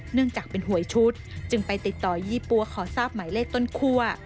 เนื่องจากเป็นหวยชุดจึงไปติดต่อยี่ปั๊วขอทราบหมายเลขต้นคั่ว